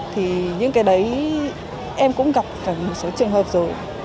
thì những cái đấy em cũng gặp cả một số trường hợp rồi